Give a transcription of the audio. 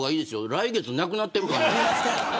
来月なくなってるかも。